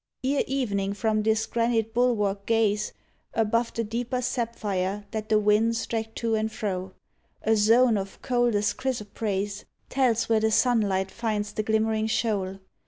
Ere evening from this granite bulwark gaze. Above the deeper sapphire that the winds Drag to and fro. A zone Of coldest chrysoprase 68 AN ALUJR OF "THE WESH Tells where the sunlight finds The glimmering shoal.